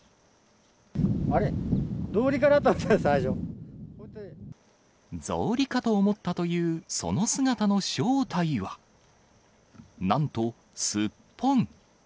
あれ、草履かなと思ったんで草履かと思ったという、その姿の正体は、なんと、スッポン。